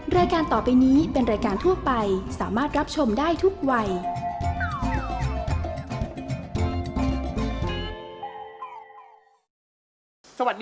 รายการต่อไปนี้เป็นรายการทั่วไปสามารถรับชมได้ทุกวัย